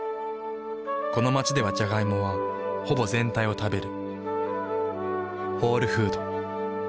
この街ではジャガイモはほぼ全体を食べる。